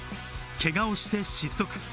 けがをして失速。